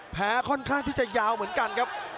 ค่อนข้างที่จะยาวเหมือนกันครับ